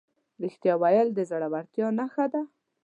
رښتیا ویل د زړهورتیا نښه ده.